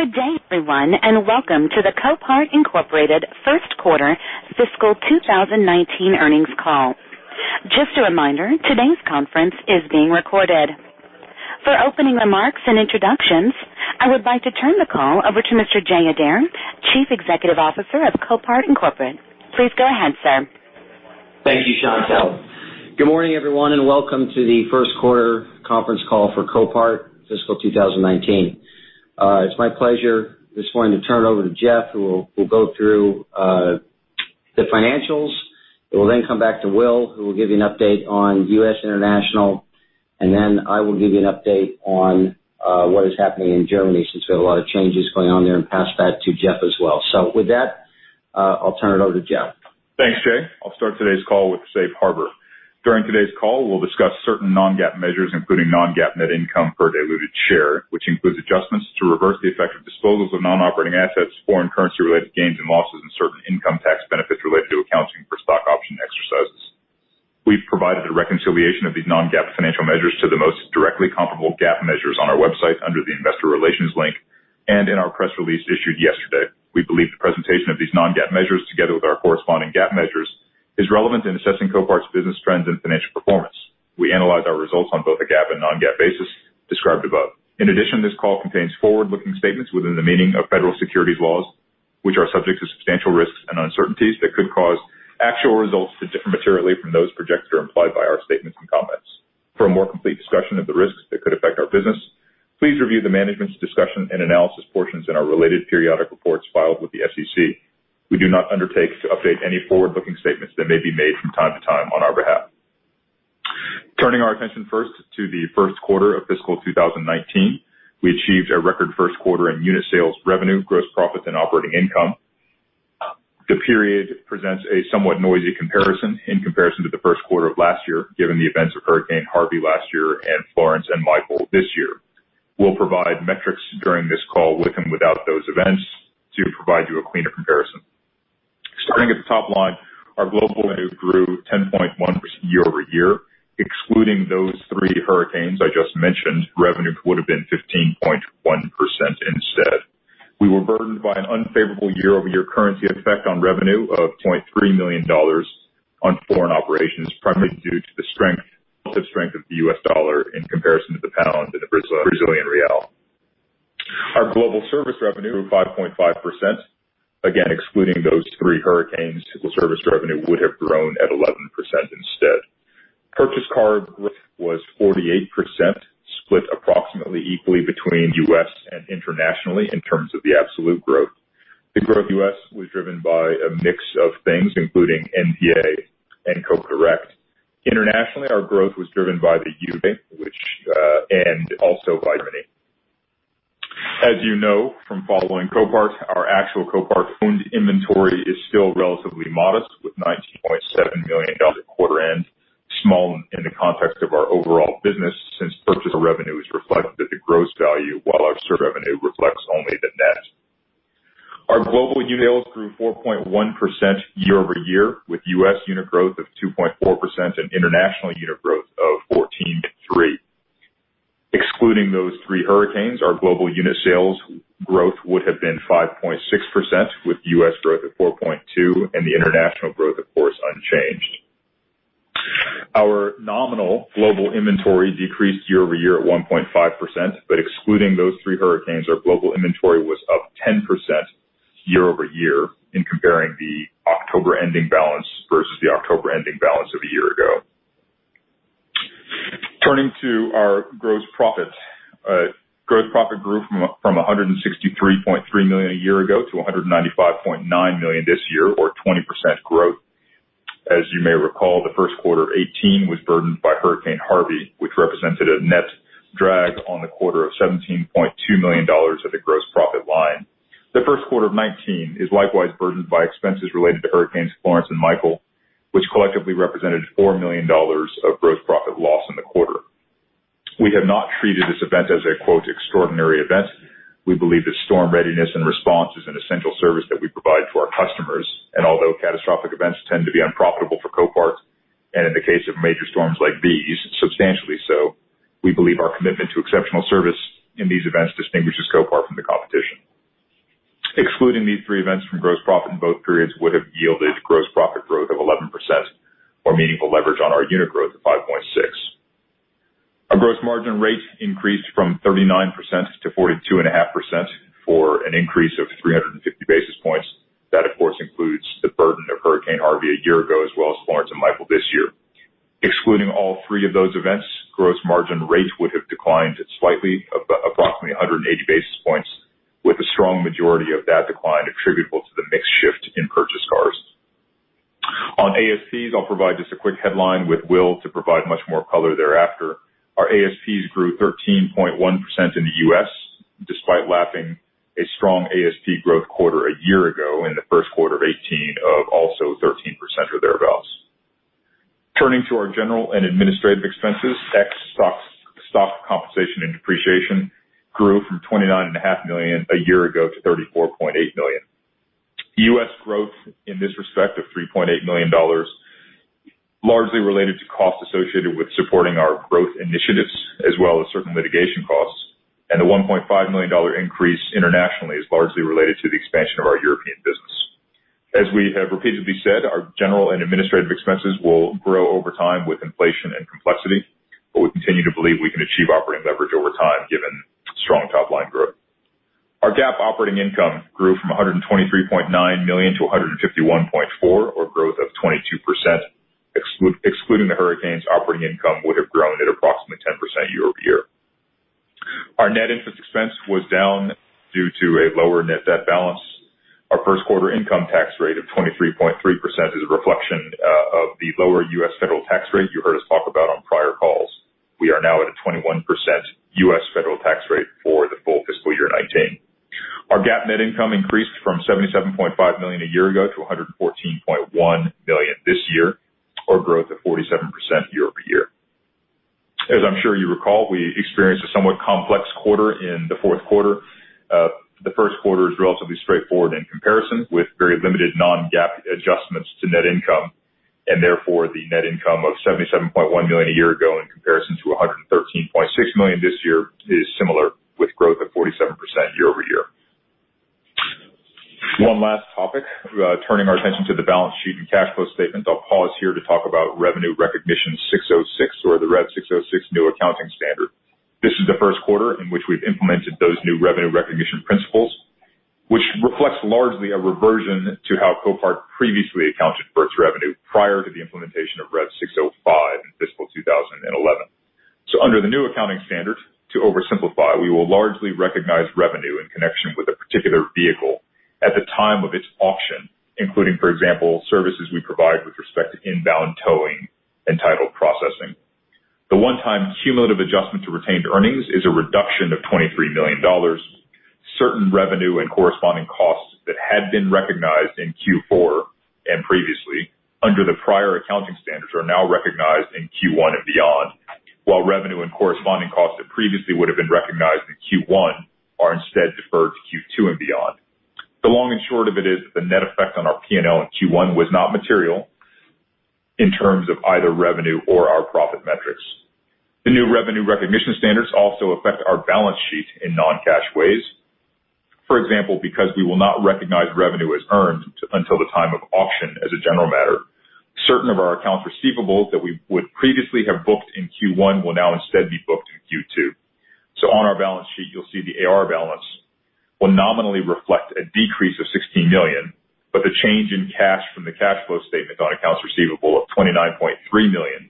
Good day, everyone. Welcome to the Copart, Inc. first quarter fiscal 2019 earnings call. Just a reminder, today's conference is being recorded. For opening remarks and introductions, I would like to turn the call over to Mr. Jay Adair, Chief Executive Officer of Copart, Inc. Please go ahead, sir. Thank you, Chantelle. Good morning, everyone. Welcome to the first quarter conference call for Copart fiscal 2019. It's my pleasure this morning to turn it over to Jeff, who will go through the financials. We will then come back to Will, who will give you an update on U.S. International, and then I will give you an update on what is happening in Germany since we have a lot of changes going on there, and pass that to Jeff as well. With that, I'll turn it over to Jeff. Thanks, Jay. I'll start today's call with the Safe Harbor. During today's call, we'll discuss certain non-GAAP measures, including non-GAAP net income per diluted share, which includes adjustments to reverse the effect of disposals of non-operating assets, foreign currency-related gains and losses, and certain income tax benefits related to accounting for stock option exercises. We've provided a reconciliation of these non-GAAP financial measures to the most directly comparable GAAP measures on our website under the Investor Relations link and in our press release issued yesterday. We believe the presentation of these non-GAAP measures, together with our corresponding GAAP measures, is relevant in assessing Copart's business trends and financial performance. We analyze our results on both a GAAP and non-GAAP basis described above. In addition, this call contains forward-looking statements within the meaning of federal securities laws, which are subject to substantial risks and uncertainties that could cause actual results to differ materially from those projected or implied by our statements and comments. For a more complete discussion of the risks that could affect our business, please review the Management's Discussion and Analysis portions in our related periodic reports filed with the SEC. We do not undertake to update any forward-looking statements that may be made from time to time on our behalf. Turning our attention first to the first quarter of fiscal 2019, we achieved a record first quarter in unit sales revenue, gross profit, and operating income. The period presents a somewhat noisy comparison in comparison to the first quarter of last year, given the events of Hurricane Harvey last year and Florence and Michael this year. We'll provide metrics during this call with and without those events to provide you a cleaner comparison. Starting at the top line, our global revenue grew 10.1% year over year. Excluding those three hurricanes I just mentioned, revenue would've been 15.1% instead. We were burdened by an unfavorable year-over-year currency effect on revenue of $2.3 million on foreign operations, primarily due to the relative strength of the U.S. dollar in comparison to the pound and the Brazilian real. Our global service revenue of 5.5%, again, excluding those three hurricanes, global service revenue would have grown at 11% instead. Purchased car growth was 48%, split approximately equally between U.S. and internationally in terms of the absolute growth. The growth U.S. was driven by a mix of things, including NDA and Co-Correct. Internationally, our growth was driven by the UV and also by Renee. As you know from following Copart, our actual Copart-owned inventory is still relatively modest, with $19.7 million at quarter end, small in the context of our overall business since purchaser revenue is reflective of the gross value while our service revenue reflects only the net. Our global unit sales grew 4.1% year over year, with U.S. unit growth of 2.4% and international unit growth of 14.3%. Excluding those three hurricanes, our global unit sales growth would have been 5.6%, with U.S. growth at 4.2% and the international growth, of course, unchanged. Our nominal global inventory decreased year over year at 1.5%, but excluding those three hurricanes, our global inventory was up 10% year over year in comparing the October ending balance versus the October ending balance of a year ago. Turning to our gross profit. Gross profit grew from $163.3 million a year ago to $195.9 million this year, or 20% growth. As you may recall, the first quarter of 2018 was burdened by Hurricane Harvey, which represented a net drag on the quarter of $17.2 million of the gross profit line. The first quarter of 2019 is likewise burdened by expenses related to hurricanes Florence and Michael, which collectively represented $4 million of gross profit loss in the quarter. We have not treated this event as a, quote, "extraordinary event." We believe that storm readiness and response is an essential service that we provide to our customers. And although catastrophic events tend to be unprofitable for Copart, and in the case of major storms like these, substantially so, we believe our commitment to exceptional service in these events distinguishes Copart from the competition. Excluding these three events from gross profit in both periods would have yielded gross profit growth of 11% or meaningful leverage on our unit growth of 5.6%. Our gross margin rate increased from 39% to 42.5% for an increase of 350 basis points. That, of course, includes the burden of Hurricane Harvey a year ago, as well as Hurricane Florence and Hurricane Michael this year. Excluding all three of those events, gross margin rate would have declined slightly, approximately 180 basis points, with a strong majority of that decline attributable to the mix shift in purchased cars. On ASPs, I'll provide just a quick headline with Will to provide much more color thereafter. Our ASPs grew 13.1% in the U.S., despite lapping a strong ASP growth quarter a year ago in the first quarter of 2018 of also 13% or thereabouts. Turning to our general and administrative expenses, ex stock compensation and depreciation grew from $29.5 million a year ago to $34.8 million. U.S. growth in this respect of $3.8 million. Largely related to costs associated with supporting our growth initiatives as well as certain litigation costs. The $1.5 million increase internationally is largely related to the expansion of our European business. As we have repeatedly said, our general and administrative expenses will grow over time with inflation and complexity, but we continue to believe we can achieve operating leverage over time, given strong top-line growth. Our GAAP operating income grew from $123.9 million to $151.4 million, or growth of 22%. Excluding the hurricanes, operating income would have grown at approximately 10% year-over-year. Our net interest expense was down due to a lower net debt balance. Our first quarter income tax rate of 23.3% is a reflection of the lower U.S. federal tax rate you heard us talk about on prior calls. We are now at a 21% U.S. federal tax rate for the full fiscal year 2019. Our GAAP net income increased from $77.5 million a year ago to $114.1 million this year, or growth of 47% year-over-year. As I'm sure you recall, we experienced a somewhat complex quarter in the fourth quarter. The first quarter is relatively straightforward in comparison, with very limited non-GAAP adjustments to net income, and therefore the net income of $77.1 million a year ago in comparison to $113.6 million this year is similar, with growth of 47% year-over-year. One last topic. Turning our attention to the balance sheet and cash flow statement. I'll pause here to talk about Revenue Recognition 606, or the Rev 606 new accounting standard. This is the first quarter in which we've implemented those new revenue recognition principles, which reflects largely a reversion to how Copart previously accounted for its revenue prior to the implementation of Rev 605 in fiscal 2011. Under the new accounting standard, to oversimplify, we will largely recognize revenue in connection with a particular vehicle at the time of its auction, including, for example, services we provide with respect to inbound towing and title processing. The one-time cumulative adjustment to retained earnings is a reduction of $23 million. Certain revenue and corresponding costs that had been recognized in Q4 and previously under the prior accounting standards are now recognized in Q1 and beyond. While revenue and corresponding costs that previously would have been recognized in Q1 are instead deferred to Q2 and beyond. The long and short of it is that the net effect on our P&L in Q1 was not material in terms of either revenue or our profit metrics. The new revenue recognition standards also affect our balance sheet in non-cash ways. For example, because we will not recognize revenue as earned until the time of auction as a general matter, certain of our accounts receivables that we would previously have booked in Q1 will now instead be booked in Q2. On our balance sheet, you'll see the AR balance will nominally reflect a decrease of $16 million, but the change in cash from the cash flow statement on accounts receivable of $29.3 million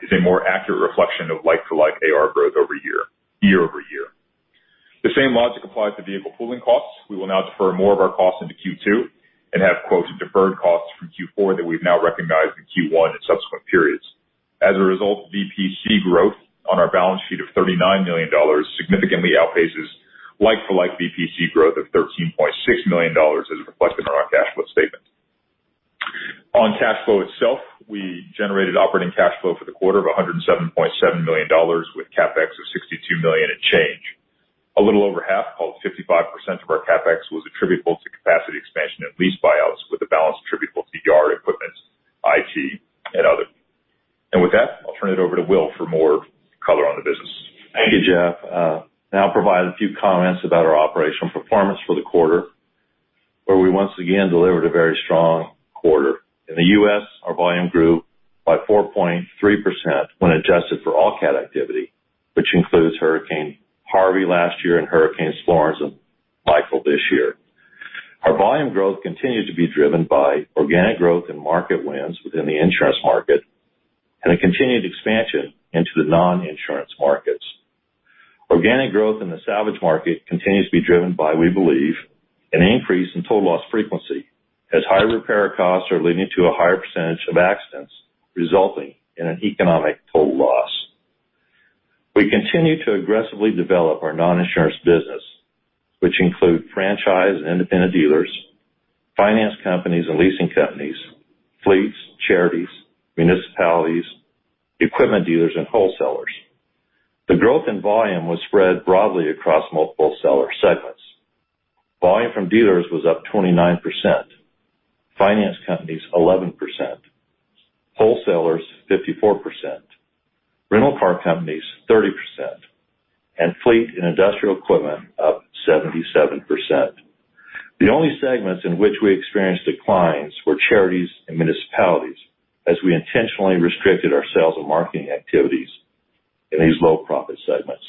is a more accurate reflection of like-to-like AR growth year over year. The same logic applies to vehicle pooling costs. We will now defer more of our costs into Q2 and have quote, "deferred costs from Q4 that we've now recognized in Q1 and subsequent periods." As a result, VPC growth on our balance sheet of $39 million significantly outpaces like-for-like VPC growth of $13.6 million as reflected on our cash flow statement. On cash flow itself, we generated operating cash flow for the quarter of $107.7 million, with CapEx of $62 million and change. A little over half, or 55%, of our CapEx was attributable to capacity expansion and lease buyouts, with the balance attributable to yard equipment, IT, and other. With that, I'll turn it over to Will for more color on the business. Thank you, Jeff. I'll now provide a few comments about our operational performance for the quarter, where we once again delivered a very strong quarter. In the U.S., our volume grew by 4.3% when adjusted for all cat activity, which includes Hurricane Harvey last year and Hurricanes Florence and Michael this year. Our volume growth continues to be driven by organic growth and market wins within the insurance market and a continued expansion into the non-insurance markets. Organic growth in the salvage market continues to be driven by, we believe, an increase in total loss frequency as higher repair costs are leading to a higher percentage of accidents resulting in an economic total loss. We continue to aggressively develop our non-insurance business, which include franchise and independent dealers, finance companies and leasing companies, fleets, charities, municipalities, equipment dealers, and wholesalers. The growth in volume was spread broadly across multiple seller segments. Volume from dealers was up 29%, finance companies 11%, wholesalers 54%, rental car companies 30%, and fleet and industrial equipment up 77%. The only segments in which we experienced declines were charities and municipalities, as we intentionally restricted our sales and marketing activities in these low-profit segments.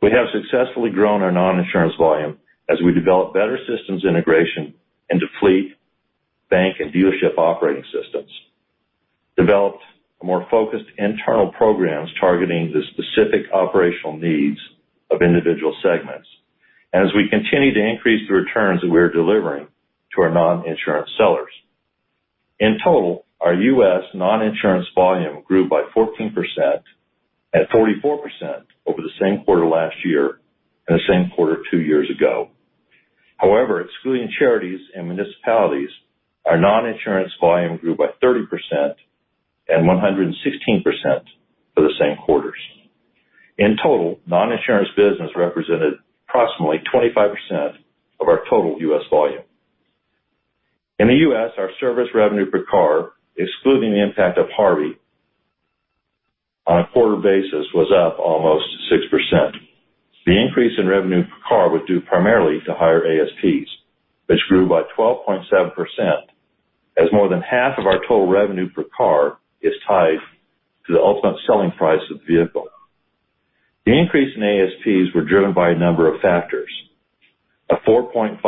We have successfully grown our non-insurance volume as we develop better systems integration into fleet, bank, and dealership operating systems, developed more focused internal programs targeting the specific operational needs of individual segments, and as we continue to increase the returns that we are delivering to our non-insurance sellers. In total, our U.S. non-insurance volume grew by 14% and 44% over the same quarter last year and the same quarter two years ago. However, excluding charities and municipalities, our non-insurance volume grew by 30% and 116% for the same quarters. In total, non-insurance business represented approximately 25% of our total U.S. volume. In the U.S., our service revenue per car, excluding the impact of Hurricane Harvey, on a quarter basis was up almost 6%. The increase in revenue per car was due primarily to higher ASPs, which grew by 12.7%, as more than half of our total revenue per car is tied to the ultimate selling price of the vehicle. The increase in ASPs were driven by a number of factors. A 4.5%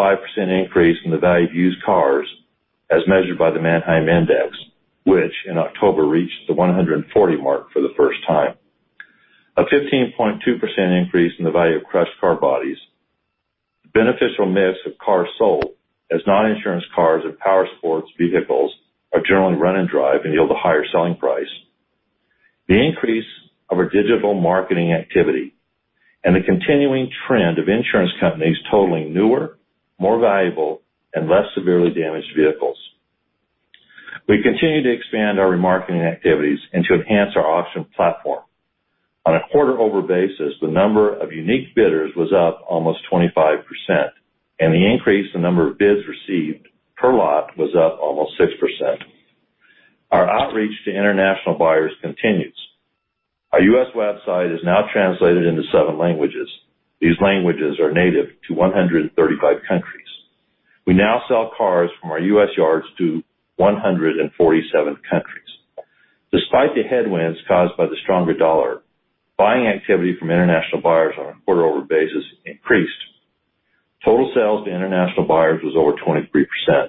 increase in the value of used cars as measured by the Manheim Index, which in October reached the 140 mark for the first time. A 15.2% increase in the value of crushed car bodies. Beneficial mix of cars sold as non-insurance cars and powersports vehicles are generally run and drive and yield a higher selling price. The increase of our digital marketing activity and the continuing trend of insurance companies totaling newer, more valuable, and less severely damaged vehicles. We continue to expand our remarketing activities and to enhance our auction platform. On a quarter-over basis, the number of unique bidders was up almost 25%, and the increase in number of bids received per lot was up almost 6%. Our outreach to international buyers continues. Our U.S. website is now translated into seven languages. These languages are native to 135 countries. We now sell cars from our U.S. yards to 147 countries. Despite the headwinds caused by the stronger dollar, buying activity from international buyers on a quarter-over basis increased. Total sales to international buyers was over 23%.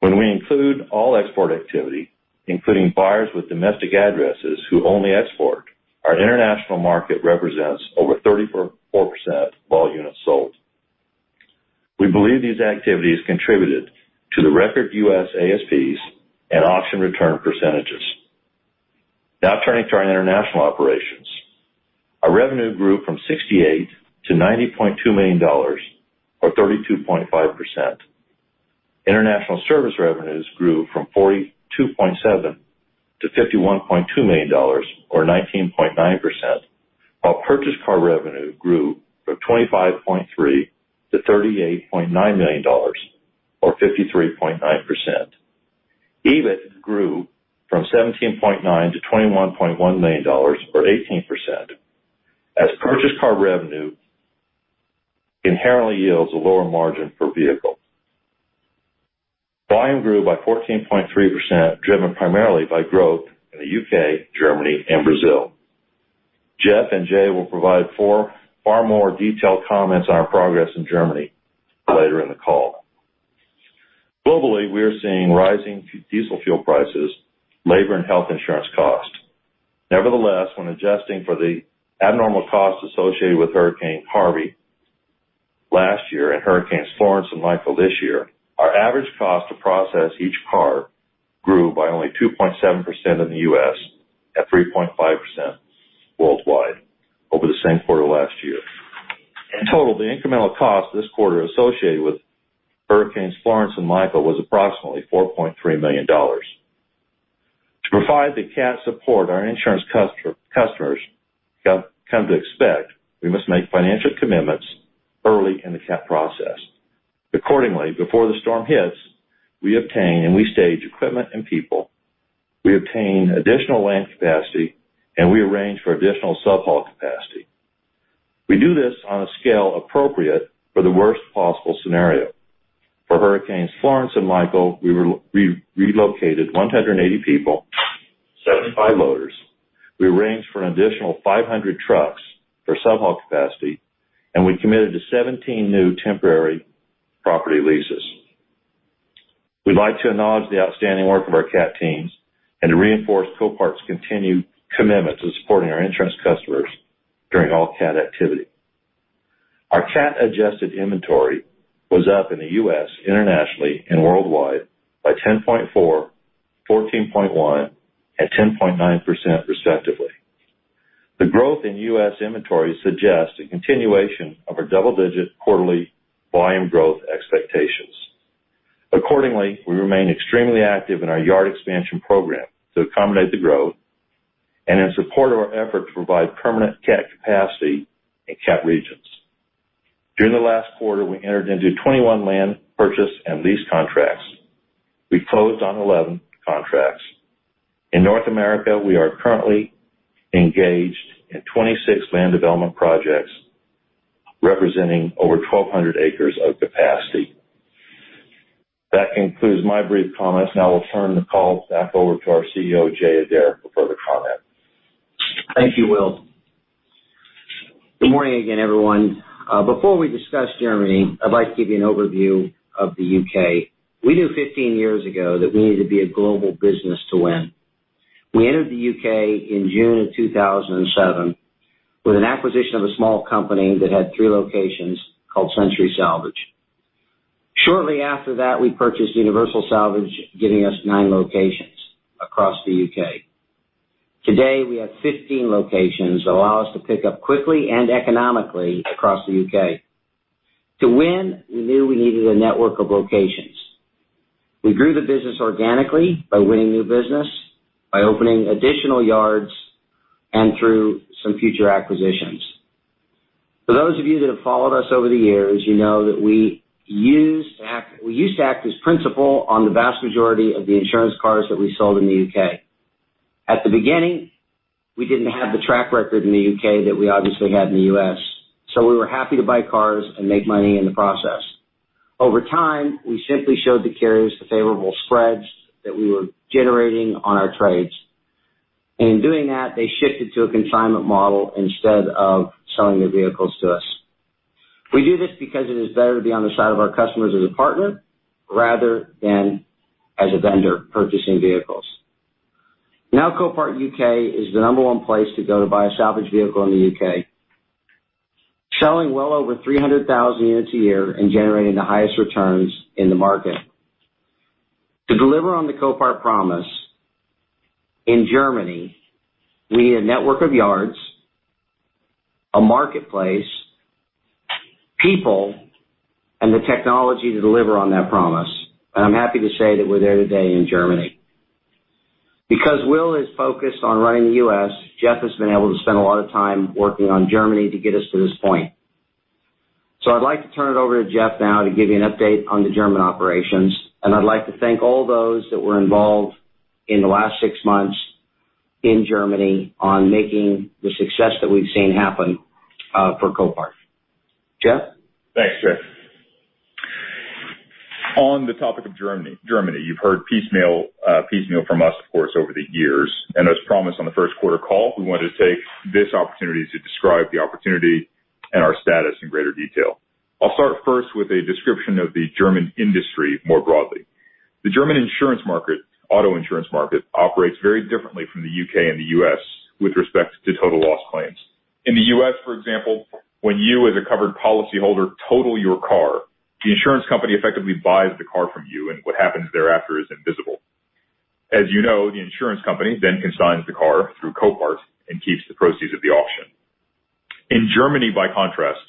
When we include all export activity, including buyers with domestic addresses who only export, our international market represents over 34% of all units sold. We believe these activities contributed to the record U.S. ASPs and auction return percentages. Now turning to our international operations. Our revenue grew from $68 million to $90.2 million, or 32.5%. International service revenues grew from $42.7 million to $51.2 million or 19.9%, while purchased car revenue grew from $25.3 million to $38.9 million or 53.9%. EBIT grew from $17.9 million to $21.1 million or 18%, as purchased car revenue inherently yields a lower margin per vehicle. Volume grew by 14.3%, driven primarily by growth in the U.K., Germany, and Brazil. Jeff and Jay will provide far more detailed comments on our progress in Germany later in the call. Globally, we are seeing rising diesel fuel prices, labor, and health insurance costs. Nevertheless, when adjusting for the abnormal costs associated with Hurricane Harvey last year and Hurricanes Florence and Michael this year, our average cost to process each car grew by only 2.7% in the U.S., at 3.5% worldwide over the same quarter last year. In total, the incremental cost this quarter associated with Hurricanes Florence and Michael was approximately $4.3 million. To provide the cat support our insurance customers come to expect, we must make financial commitments early in the cat process. Accordingly, before the storm hits, we obtain and we stage equipment and people. We obtain additional land capacity, and we arrange for additional sub-haul capacity. We do this on a scale appropriate for the worst possible scenario. For Hurricanes Florence and Michael, we relocated 180 people, 75 loaders. We arranged for an additional 500 trucks for sub-haul capacity, and we committed to 17 new temporary property leases. We'd like to acknowledge the outstanding work of our CAT teams and to reinforce Copart's continued commitments of supporting our insurance customers during all CAT activity. Our CAT-adjusted inventory was up in the U.S. internationally and worldwide by 10.4%, 14.1%, and 10.9% respectively. The growth in U.S. inventory suggests a continuation of our double-digit quarterly volume growth expectations. Accordingly, we remain extremely active in our yard expansion program to accommodate the growth and in support of our effort to provide permanent CAT capacity in CAT regions. During the last quarter, we entered into 21 land purchase and lease contracts. We closed on 11 contracts. In North America, we are currently engaged in 26 land development projects representing over 1,200 acres of capacity. That concludes my brief comments. We'll turn the call back over to our CEO, Jay Adair, for further comment. Thank you, Will. Good morning again, everyone. Before we discuss Germany, I'd like to give you an overview of the U.K. We knew 15 years ago that we needed to be a global business to win. We entered the U.K. in June of 2007 with an acquisition of a small company that had three locations called Century Salvage. Shortly after that, we purchased Universal Salvage, giving us nine locations across the U.K. Today we have 15 locations that allow us to pick up quickly and economically across the U.K. To win, we knew we needed a network of locations. We grew the business organically by winning new business, by opening additional yards, and through some future acquisitions. For those of you that have followed us over the years, you know that we used to act as principal on the vast majority of the insurance cars that we sold in the U.K. At the beginning, we didn't have the track record in the U.K. that we obviously had in the U.S., we were happy to buy cars and make money in the process. Over time, we simply showed the carriers the favorable spreads that we were generating on our trades. In doing that, they shifted to a consignment model instead of selling their vehicles to us. We do this because it is better to be on the side of our customers as a partner rather than as a vendor purchasing vehicles. Copart U.K. is the number one place to go to buy a salvage vehicle in the U.K., selling well over 300,000 units a year and generating the highest returns in the market. To deliver on the Copart promise in Germany, we need a network of yards, a marketplace, people, and the technology to deliver on that promise. I'm happy to say that we're there today in Germany. Because Will is focused on running the U.S., Jeff has been able to spend a lot of time working on Germany to get us to this point. I'd like to turn it over to Jeff now to give you an update on the German operations, and I'd like to thank all those that were involved in the last six months in Germany on making the success that we've seen happen for Copart. Jeff? Thanks, Jay. On the topic of Germany, you've heard piecemeal from us, of course, over the years. As promised on the first quarter call, we wanted to take this opportunity to describe the opportunity and our status in greater detail. I'll start first with a description of the German industry more broadly. The German insurance market, auto insurance market, operates very differently from the U.K. and the U.S. with respect to total loss claims. In the U.S., for example, when you as a covered policyholder total your car, the insurance company effectively buys the car from you, and what happens thereafter is invisible. As you know, the insurance company then consigns the car through Copart and keeps the proceeds of the auction. In Germany, by contrast,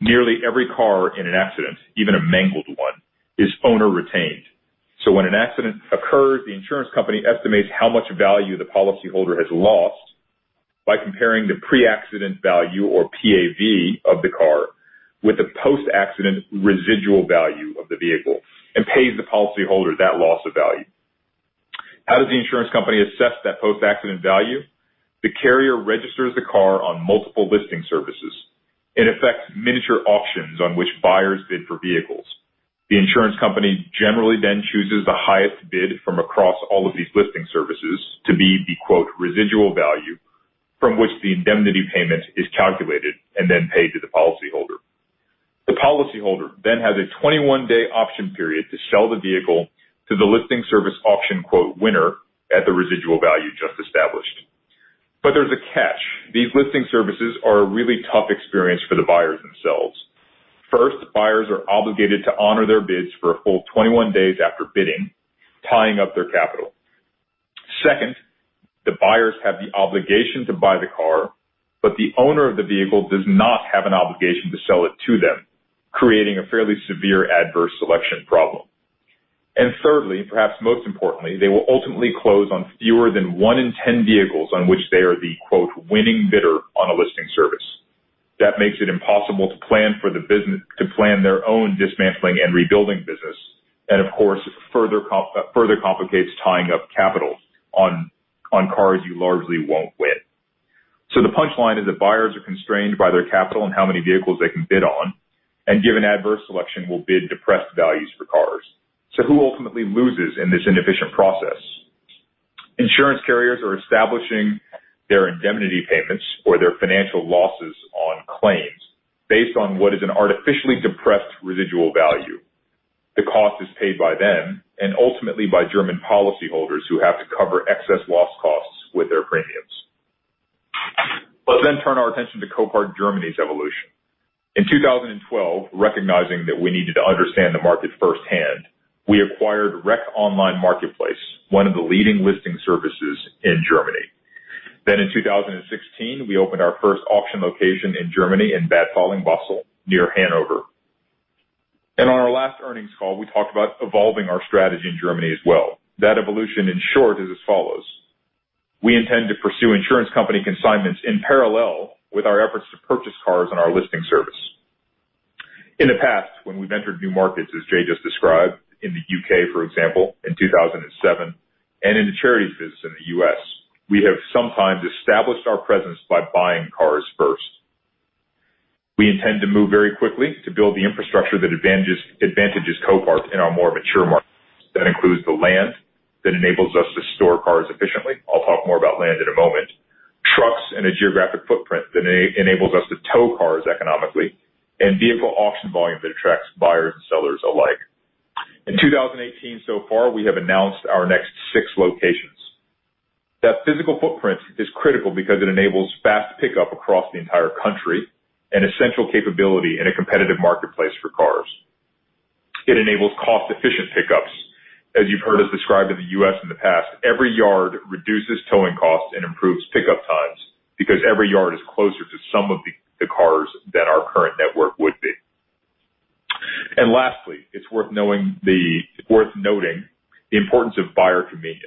nearly every car in an accident, even a mangled one, is owner-retained. When an accident occurs, the insurance company estimates how much value the policyholder has lost by comparing the pre-accident value, or PAV, of the car with the post-accident residual value of the vehicle and pays the policyholder that loss of value. How does the insurance company assess that post-accident value? The carrier registers the car on multiple listing services. It affects miniature auctions on which buyers bid for vehicles. The insurance company generally then chooses the highest bid from across all of these listing services to be the, quote, "residual value" from which the indemnity payment is calculated and then paid to the policyholder. The policyholder then has a 21-day auction period to sell the vehicle to the listing service auction, quote, "winner" at the residual value just established. There's a catch. These listing services are a really tough experience for the buyers themselves. First, buyers are obligated to honor their bids for a full 21 days after bidding, tying up their capital. Second, the buyers have the obligation to buy the car, but the owner of the vehicle does not have an obligation to sell it to them, creating a fairly severe adverse selection problem. Thirdly, and perhaps most importantly, they will ultimately close on fewer than one in 10 vehicles on which they are the, quote, "winning bidder" on a listing service. That makes it impossible to plan their own dismantling and rebuilding business, and of course, further complicates tying up capital on cars you largely won't win. The punchline is that buyers are constrained by their capital and how many vehicles they can bid on, and given adverse selection, will bid depressed values for cars. Who ultimately loses in this inefficient process? Insurance carriers are establishing their indemnity payments or their financial losses on claims based on what is an artificially depressed residual value. The cost is paid by them and ultimately by German policyholders who have to cover excess loss costs with their premiums. Let's turn our attention to Copart Germany's evolution. In 2012, recognizing that we needed to understand the market firsthand, we acquired WreckOnlineMarketplace, one of the leading listing services in Germany. In 2016, we opened our first auction location in Germany in Bad Fallingbostel near Hanover. On our last earnings call, we talked about evolving our strategy in Germany as well. That evolution, in short, is as follows. We intend to pursue insurance company consignments in parallel with our efforts to purchase cars on our listing service. In the past, when we've entered new markets, as Jay just described, in the U.K., for example, in 2007, and in the charities business in the U.S., we have sometimes established our presence by buying cars first. We intend to move very quickly to build the infrastructure that advantages Copart in our more mature markets. That includes the land that enables us to store cars efficiently. I'll talk more about land in a moment. Trucks and a geographic footprint that enables us to tow cars economically, and vehicle auction volume that attracts buyers and sellers alike. In 2018 so far, we have announced our next six locations. That physical footprint is critical because it enables fast pickup across the entire country, an essential capability in a competitive marketplace for cars. It enables cost-efficient pickups. As you've heard us describe in the U.S. in the past, every yard reduces towing costs and improves pickup times. Because every yard is closer to some of the cars than our current network would be. Lastly, it's worth noting the importance of buyer convenience.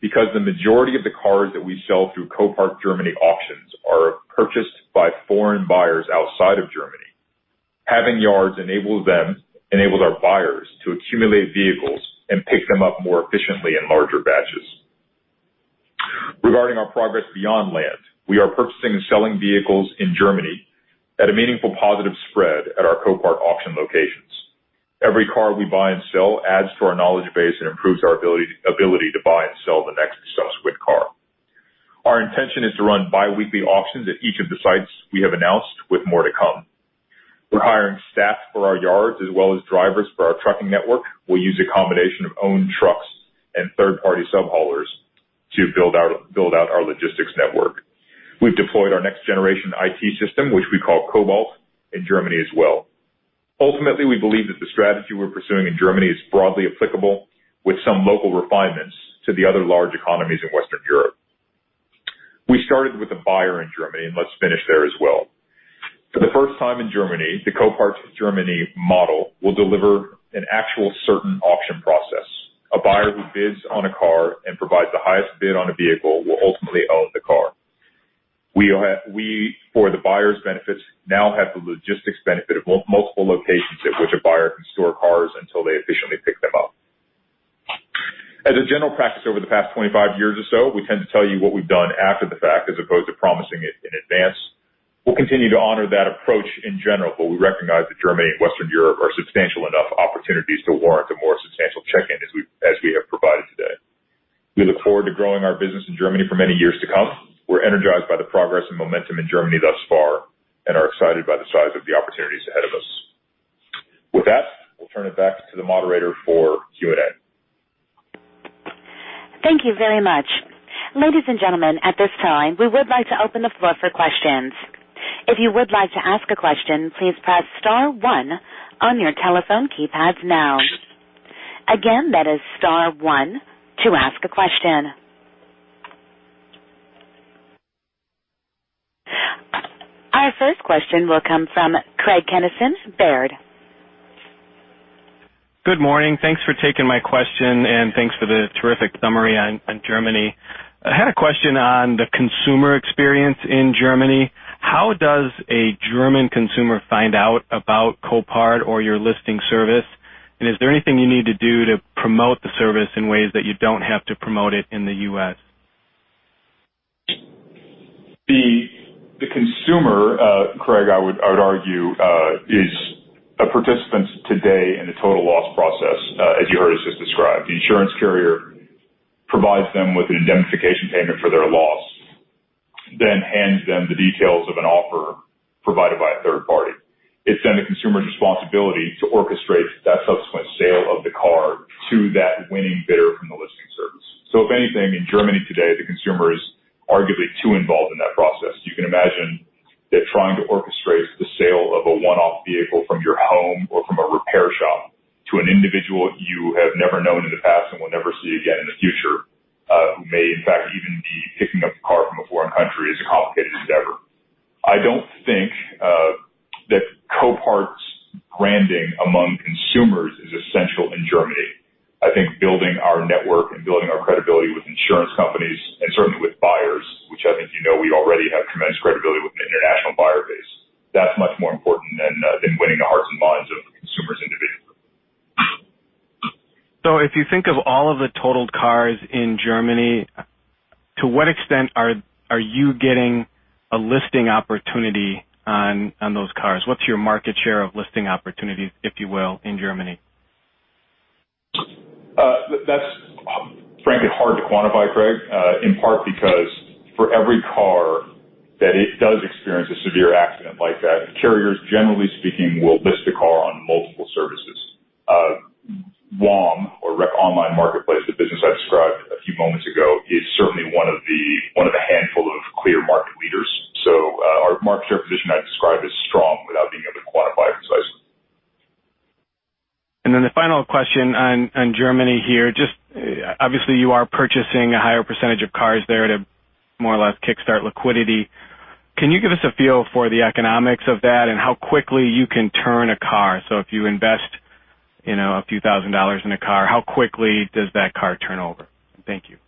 Because the majority of the cars that we sell through Copart Germany auctions are purchased by foreign buyers outside of Germany, having yards enables our buyers to accumulate vehicles and pick them up more efficiently in larger batches. Regarding our progress beyond land, we are purchasing and selling vehicles in Germany at a meaningful positive spread at our Copart auction locations. Every car we buy and sell adds to our knowledge base and improves our ability to buy and sell the next subsequent car. Our intention is to run biweekly auctions at each of the sites we have announced, with more to come. We're hiring staff for our yards as well as drivers for our trucking network. We'll use a combination of owned trucks and third-party sub-haulers to build out our logistics network. We've deployed our next generation IT system, which we call Cobalt, in Germany as well. Ultimately, we believe that the strategy we're pursuing in Germany is broadly applicable with some local refinements to the other large economies in Western Europe. We started with a buyer in Germany, and let's finish there as well. For the first time in Germany, the Copart Germany model will deliver an actual certain auction process. A buyer who bids on a car and provides the highest bid on a vehicle will ultimately own the car. We, for the buyer's benefits, now have the logistics benefit of multiple locations at which a buyer can store cars until they efficiently pick them up. As a general practice over the past 25 years or so, we tend to tell you what we've done after the fact, as opposed to promising it in advance. We'll continue to honor that approach in general, but we recognize that Germany and Western Europe are substantial enough opportunities to warrant a more substantial check-in as we have provided today. We look forward to growing our business in Germany for many years to come. We're energized by the progress and momentum in Germany thus far and are excited by the size of the opportunities ahead of us. With that, we'll turn it back to the moderator for Q&A. Thank you very much. Ladies and gentlemen, at this time, we would like to open the floor for questions. If you would like to ask a question, please press star one on your telephone keypads now. Again, that is star one to ask a question. Our first question will come from Craig Kennison, Baird. Good morning. Thanks for taking my question, and thanks for the terrific summary on Germany. I had a question on the consumer experience in Germany. How does a German consumer find out about Copart or your listing service? Is there anything you need to do to promote the service in ways that you don't have to promote it in the U.S.? The consumer, Craig, I would argue, is a participant today in the total loss process, as you heard us just describe. The insurance carrier provides them with an indemnification payment for their loss, then hands them the details of an offer provided by a third party. It's then the consumer's responsibility to orchestrate that subsequent sale of the car to that winning bidder from the listing service. If anything, in Germany today, the consumer is arguably too involved in that process. You can imagine that trying to orchestrate the sale of a one-off vehicle from your home or from a repair shop to an individual you have never known in the past and will never see again in the future, who may in fact even be picking up a car from a foreign country, is a complicated endeavor. I don't think that Copart's branding among consumers is essential in Germany. I think building our network and building our credibility with insurance companies and certainly with buyers, which I think you know we already have tremendous credibility with an international buyer base, that's much more important than winning the hearts and minds of consumers individually. If you think of all of the totaled cars in Germany, to what extent are you getting a listing opportunity on those cars? What's your market share of listing opportunities, if you will, in Germany? That's frankly hard to quantify, Craig, in part because for every car that does experience a severe accident like that, the carriers, generally speaking, will list the car on multiple services. WOM or Wreck Online Marketplace, the business I described a few moments ago, is certainly one of a handful of clear market leaders. Our market share position I'd describe as strong without being able to quantify it precisely. The final question on Germany here. Obviously, you are purchasing a higher percentage of cars there to more or less kickstart liquidity. Can you give us a feel for the economics of that and how quickly you can turn a car? If you invest a few thousand dollars in a car, how quickly does that car turn over? Thank you.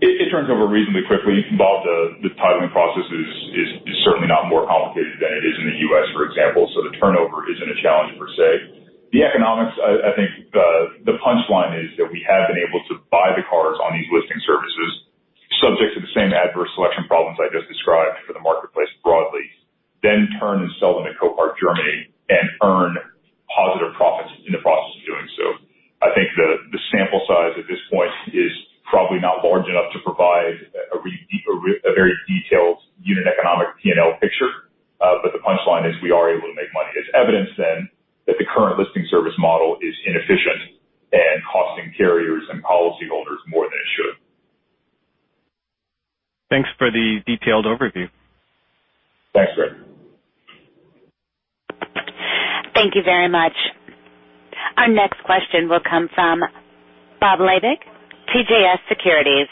It turns over reasonably quickly. The titling process is certainly not more complicated than it is in the U.S., for example, so the turnover isn't a challenge per se. The economics, I think the punchline is that we have been able to buy the cars on these listing services, subject to the same adverse selection problems I just described for the marketplace broadly, then turn and sell them to Copart Germany and earn positive profits in the process of doing so. I think the sample size at this point is probably not large enough to provide a very detailed unit economic P&L picture, but the punchline is we are able to make money. It's evidence then that the current listing service model is inefficient and costing carriers and policyholders more than it should. Thanks for the detailed overview. Thanks. Thank you very much. Our next question will come from Bob Labick, CJS Securities.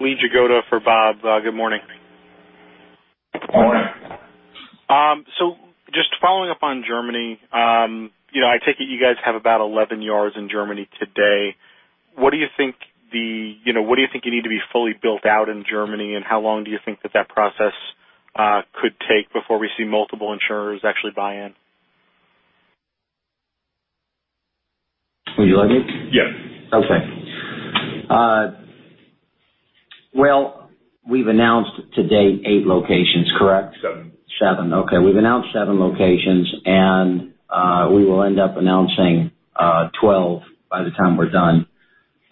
Lee Jagoda for Bob. Good morning. Good morning. Following up on Germany, I take it you guys have about 11 yards in Germany today. What do you think you need to be fully built out in Germany, and how long do you think that process could take before we see multiple insurers actually buy in? Were you ready? Yes. Okay. Well, we've announced to date eight locations, correct? Seven. Seven. Okay. We've announced seven locations, and we will end up announcing 12 by the time we're done.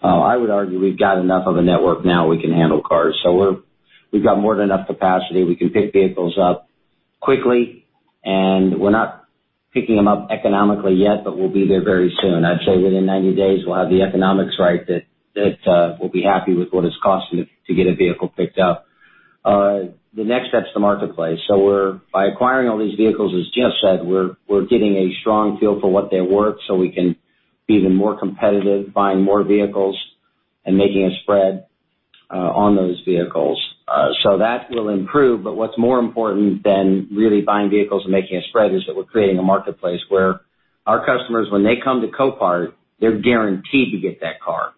I would argue we've got enough of a network now we can handle cars. We've got more than enough capacity. We can pick vehicles up quickly, and we're not picking them up economically yet, but we'll be there very soon. I'd say within 90 days, we'll have the economics right that we'll be happy with what it's costing to get a vehicle picked up. The next step's the marketplace. By acquiring all these vehicles, as Jeff said, we're getting a strong feel for what they're worth so we can be even more competitive, buying more vehicles and making a spread on those vehicles. That will improve, what's more important than really buying vehicles and making a spread is that we're creating a marketplace where our customers, when they come to Copart, they are guaranteed to get that car.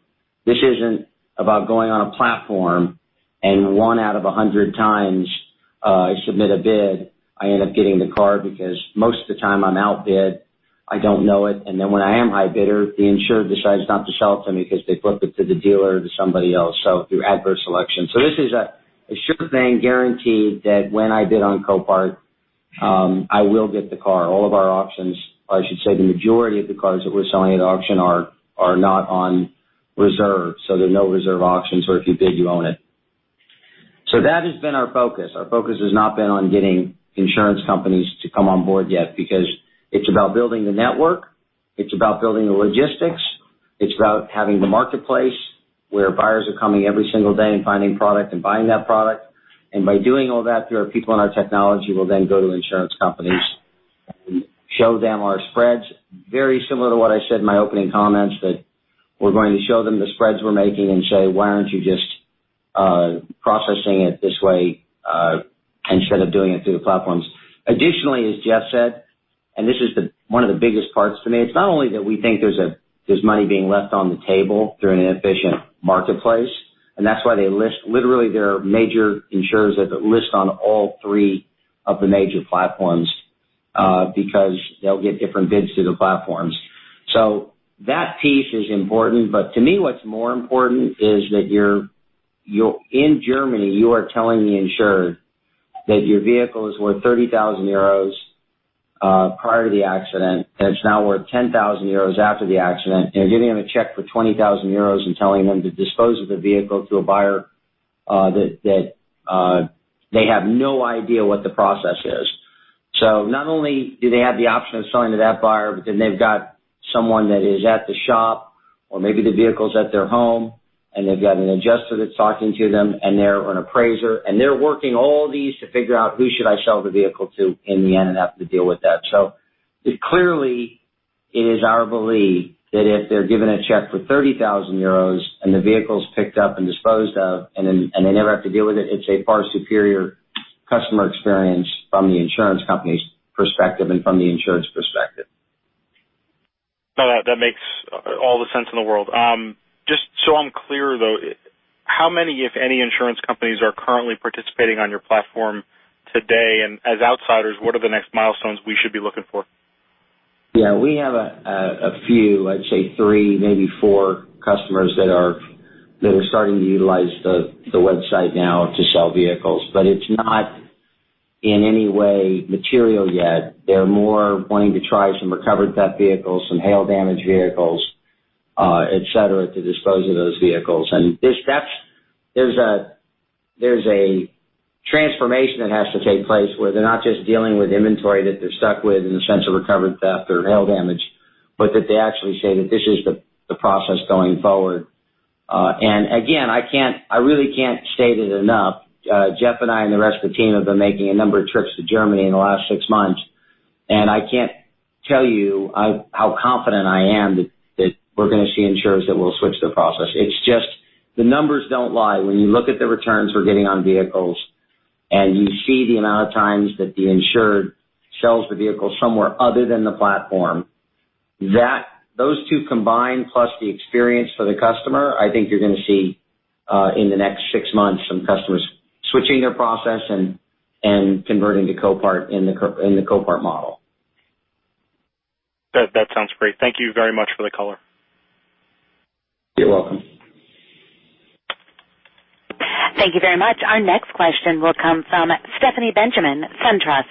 This is not about going on a platform and one out of 100 times I submit a bid, I end up getting the car because most of the time I am outbid. I do not know it, then when I am high bidder, the insurer decides not to sell it to me because they flipped it to the dealer, to somebody else, through adverse selection. This is a sure thing, guaranteed that when I bid on Copart, I will get the car. All of our auctions, or I should say the majority of the cars that we are selling at auction are not on reserve. There are no reserve auctions, or if you bid, you own it. That has been our focus. Our focus has not been on getting insurance companies to come on board yet because it is about building the network. It is about building the logistics. It is about having the marketplace where buyers are coming every single day and finding product and buying that product. By doing all that, there are people in our technology who will then go to insurance companies and show them our spreads, very similar to what I said in my opening comments, that we are going to show them the spreads we are making and say, "Why are not you just processing it this way instead of doing it through the platforms?" Additionally, as Jeff said, this is one of the biggest parts for me, it is not only that we think there is money being left on the table through an inefficient marketplace, that is why they list literally their major insurers that list on all three of the major platforms because they will get different bids through the platforms. That piece is important. To me, what is more important is that in Germany, you are telling the insurer that your vehicle is worth 30,000 euros prior to the accident, and it is now worth 10,000 euros after the accident, and you are giving them a check for 20,000 euros and telling them to dispose of the vehicle to a buyer that they have no idea what the process is. Not only do they have the option of selling to that buyer, then they have got someone that is at the shop or maybe the vehicle is at their home, and they have got an adjuster that is talking to them or an appraiser, and they are working all these to figure out who should I sell the vehicle to in the end and have to deal with that. Clearly, it is our belief that if they're given a check for 30,000 euros and the vehicle's picked up and disposed of and they never have to deal with it's a far superior customer experience from the insurance company's perspective and from the insured's perspective. No, that makes all the sense in the world. Just so I'm clear, though, how many, if any, insurance companies are currently participating on your platform today? As outsiders, what are the next milestones we should be looking for? We have a few, I'd say three, maybe four customers that are starting to utilize the website now to sell vehicles. It's not in any way material yet. They're more wanting to try some recovered theft vehicles, some hail damage vehicles, etc., to dispose of those vehicles. There's a transformation that has to take place where they're not just dealing with inventory that they're stuck with in the sense of recovered theft or hail damage, but that they actually say that this is the process going forward. Again, I really can't state it enough. Jeff and I and the rest of the team have been making a number of trips to Germany in the last six months, and I can't tell you how confident I am that we're going to see insurers that will switch their process. It's just the numbers don't lie. When you look at the returns we're getting on vehicles and you see the amount of times that the insured sells the vehicle somewhere other than the platform, those two combined, plus the experience for the customer, I think you're going to see in the next six months some customers switching their process and converting to Copart in the Copart model. That sounds great. Thank you very much for the color. You're welcome. Thank you very much. Our next question will come from Stephanie Benjamin, SunTrust.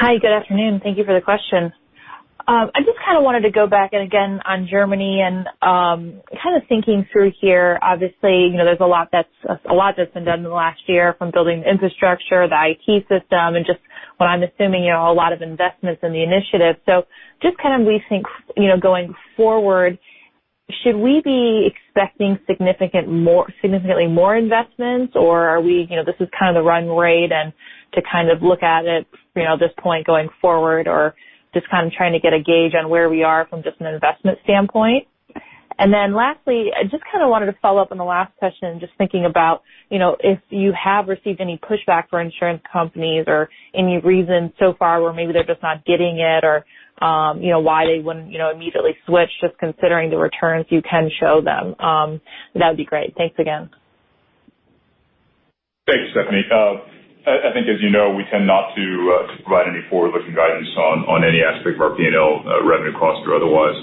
Hi, good afternoon. Thank you for the question. I just kind of wanted to go back and again on Germany and kind of thinking through here. Obviously, there's a lot that's been done in the last year from building the infrastructure, the IT system, and just what I'm assuming a lot of investments in the initiative. just kind of rethink going forward. Should we be expecting significantly more investments, or this is the run rate and to look at it this point going forward or just trying to get a gauge on where we are from just an investment standpoint? Lastly, I just wanted to follow up on the last question, just thinking about, if you have received any pushback for insurance companies or any reason so far where maybe they're just not getting it or why they wouldn't immediately switch, just considering the returns you can show them. That would be great. Thanks again. Thanks, Stephanie. I think as you know, we tend not to provide any forward-looking guidance on any aspect of our P&L revenue cost or otherwise.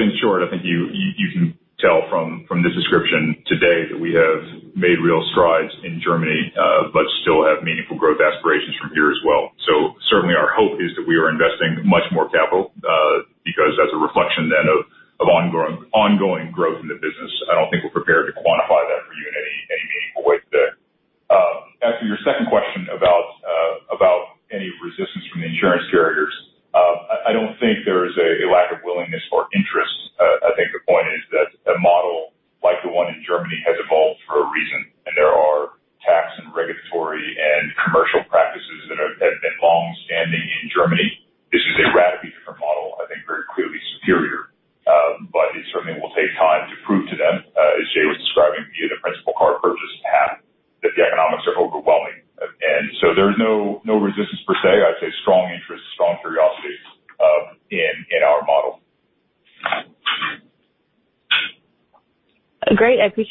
In short, I think you can tell from this description today that we have made real strides in Germany, but still have meaningful growth aspirations from here as well. Certainly our hope is that we are investing much more capital, because as a reflection then of ongoing growth in the business. I don't think we're prepared to quantify that for you in any meaningful way today. As to your second question about any resistance from the insurance carriers. I don't think there is a lack of willingness or interest. I think the point is that a model like the one in Germany has evolved for a reason, and there are tax and regulatory and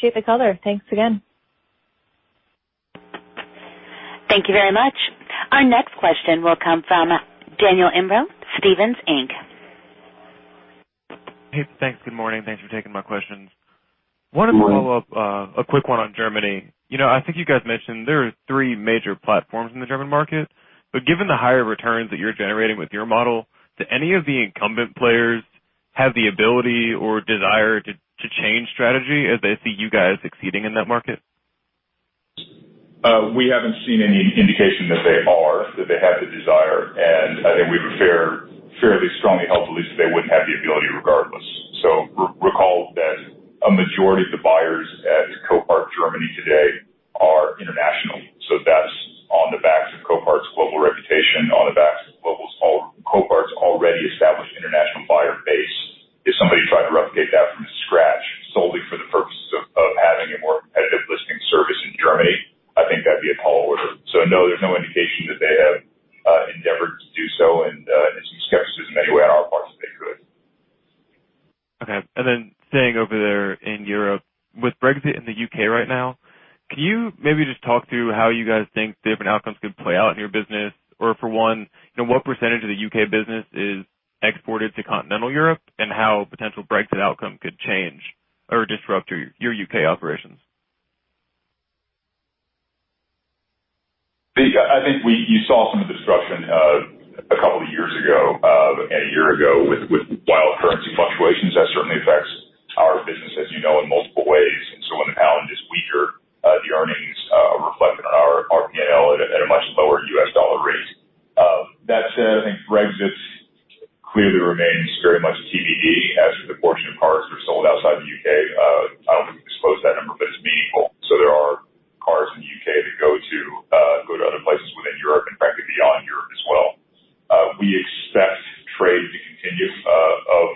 commercial practices that have been longstanding in Germany. This is a radically different model, I think very clearly superior. It certainly will take time to prove to them, as Jay was describing via the principal car purchase path, that the economics are overwhelming. There is no resistance per se. I'd say strong interest, strong curiosity in our model. Great. I appreciate the color. Thanks again. Thank you very much. Our next question will come from Daniel Imbro, Stephens Inc. Hey, thanks. Good morning. Thanks for taking my questions. Wanted to follow up, a quick one on Germany. I think you guys mentioned there are three major platforms in the German market, but given the higher returns that you're generating with your model, do any of the incumbent players have the ability or desire to change strategy as they see you guys succeeding in that market? We haven't seen any indication that they are, that they have the desire, and I think we have a fairly strongly held belief that they wouldn't have the ability regardless. Recall that a majority of the buyers at Copart Germany today are international. That's on the backs of Copart's global reputation, on the backs of Copart's already established international buyer base. If somebody tried to replicate that from scratch solely for the purposes of having a more competitive listing service in Germany, I think that'd be a tall order. No, there's no indication that they have endeavored to do so and there's some skepticism anyway on our part that they could. Okay. Staying over there in Europe with Brexit in the U.K. right now, can you maybe just talk through how you guys think different outcomes could play out in your business? For one, what % of the U.K. business is exported to continental Europe and how a potential Brexit outcome could change or disrupt your U.K. operations? I think you saw some of the disruption a couple of years ago, a year ago with wild currency fluctuations. That certainly affects our business as you know, in multiple ways. When the pound is weaker, the earnings are reflected on our P&L at a much lower U.S. dollar rate. That said, I think Brexit clearly remains very much TBD as to the portion of cars that are sold outside the U.K. I don't think we've disclosed that number, but it's meaningful. There are cars in the U.K. that go to other places within Europe, in fact, beyond Europe as well. We expect trade to continue of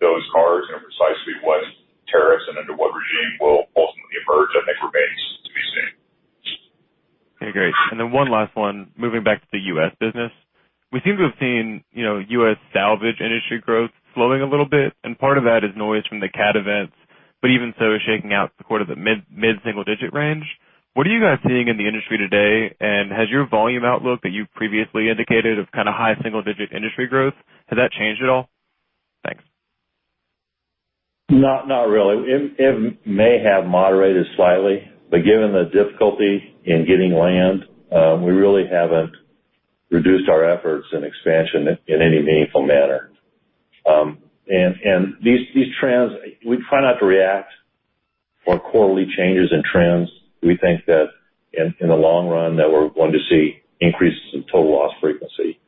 those cars and precisely what tariffs and under what regime will ultimately emerge, I think remains to be seen. Okay, great. One last one, moving back to the U.S. business. We seem to have seen U.S. salvage industry growth slowing a little bit, and part of that is noise from the cat events, but even so, shaking out the quarter of the mid-single-digit range. What are you guys seeing in the industry today? Has your volume outlook that you previously indicated of kind of high-single-digit industry growth, has that changed at all? Thanks. Not really. It may have moderated slightly, given the difficulty in getting land, we really haven't reduced our efforts in expansion in any meaningful manner. These trends, we try not to react on quarterly changes and trends. We think that in the long run that we're going to see increases in total loss frequency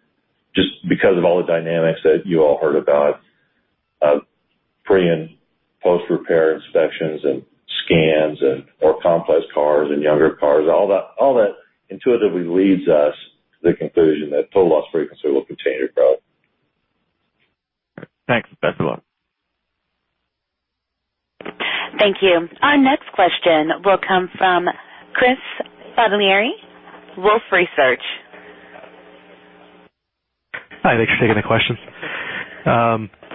just because of all the dynamics that you all heard about. Pre- and post-repair inspections and scans and more complex cars and younger cars, all that intuitively leads us to the conclusion that total loss frequency will continue to grow. Thanks. Thanks a lot. Thank you. Our next question will come from Chris Bottiglieri, Wolfe Research. Hi, thanks for taking the questions.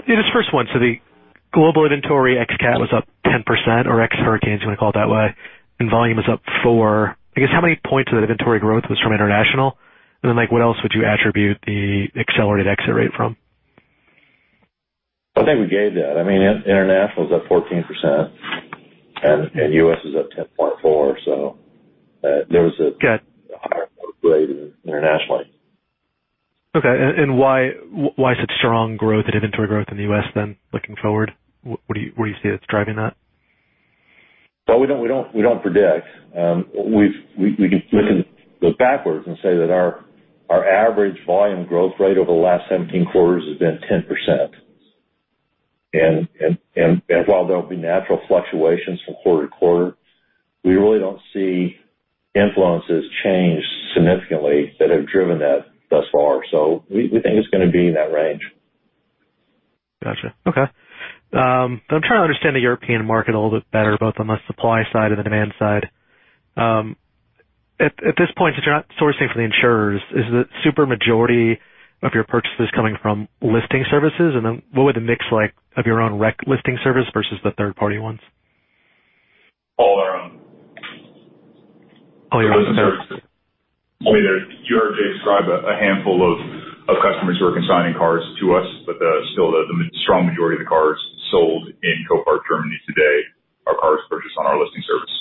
This first one, the global inventory ex cat was up 10% or ex hurricanes, you want to call it that way, and volume is up four. I guess how many points of the inventory growth was from international? Then like what else would you attribute the accelerated exit rate from? I think we gave that. International is up 14% U.S. is up 10.4%. Got it. higher growth rate internationally. Okay. Why such strong growth and inventory growth in the U.S. looking forward? What do you see that's driving that? Well, we don't predict. We can look at the backwards and say that our average volume growth rate over the last 17 quarters has been 10%. While there'll be natural fluctuations from quarter to quarter, we really don't see influences change significantly that have driven that thus far. We think it's going to be in that range. Got you. Okay. I'm trying to understand the European market a little bit better, both on the supply side and the demand side. At this point, since you're not sourcing from the insurers, is the super majority of your purchases coming from listing services? What would the mix like of your own Wreck listing service versus the third-party ones? All our own. All your own. You heard Jay describe a handful of customers who are consigning cars to us. Still the strong majority of the cars sold in Copart Germany today are cars purchased on our listing service.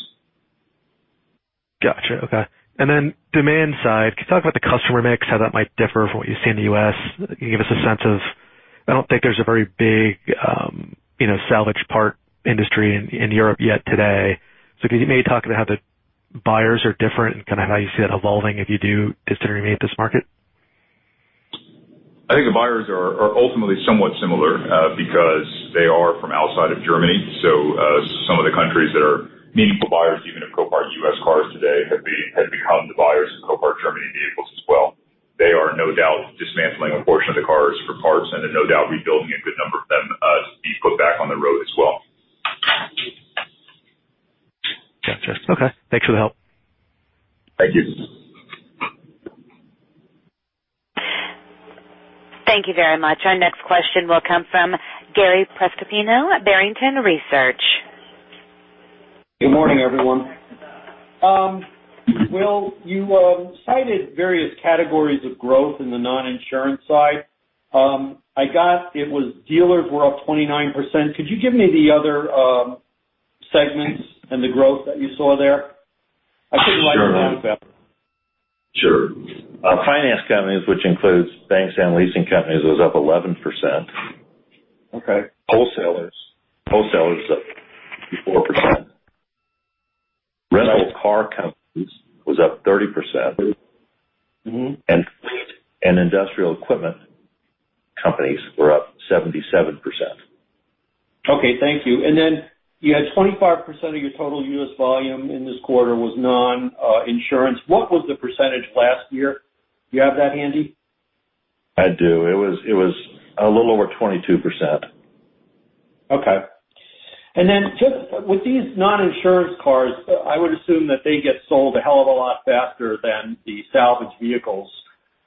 Got you. Okay. Demand side. Can you talk about the customer mix, how that might differ from what you see in the U.S.? Can you give us a sense of I don't think there's a very big salvage part industry in Europe yet today. Could you maybe talk about how the buyers are different and kind of how you see that evolving if you do continue to meet this market? I think the buyers are ultimately somewhat similar because they are from outside of Germany. Some of the countries that are meaningful buyers even of Copart U.S. cars today have become the buyers of Copart Germany vehicles as well. They are no doubt dismantling a portion of the cars for parts and are no doubt rebuilding a good number of them to be put back on the road as well. Got you. Okay. Thanks for the help. Thank you. Thank you very much. Our next question will come from Gary Prestopino at Barrington Research. Good morning, everyone. Will, you cited various categories of growth in the non-insurance side. I got it was dealers were up 29%. Could you give me the other segments and the growth that you saw there? I couldn't quite that. Sure. Finance companies, which includes banks and leasing companies, was up 11%. Okay. Wholesalers, up 54%. Rental car companies was up 30%. Fleet and industrial equipment companies were up 77%. Okay. Thank you. You had 25% of your total U.S. volume in this quarter was non-insurance. What was the percentage last year? Do you have that handy? I do. It was a little over 22%. Okay. Just with these non-insurance cars, I would assume that they get sold a hell of a lot faster than the salvage vehicles.